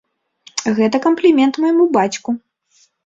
Гэта камплімент майму бацьку!